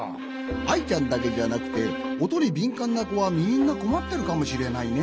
アイちゃんだけじゃなくておとにびんかんなこはみんなこまってるかもしれないね。